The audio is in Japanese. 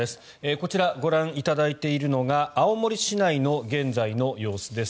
こちら、ご覧いただいているのが青森市内の現在の様子です。